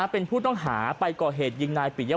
เป็นผู้ต้องหาไปก่อเหตุยิงนายปิยะ